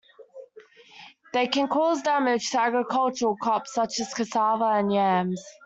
They can cause damage to agricultural crops, such as cassava and yams.